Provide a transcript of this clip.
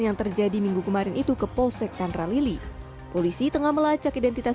yang terjadi minggu kemarin itu ke polsek tanralili polisi tengah melacak identitas